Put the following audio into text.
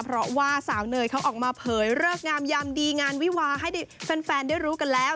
เพราะว่าสาวเนยเขาออกมาเผยเลิกงามยามดีงานวิวาให้แฟนได้รู้กันแล้ว